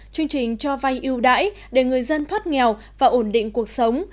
chương trình cho vay ưu đãi để người dân thoát nghèo và ổn định cuộc sống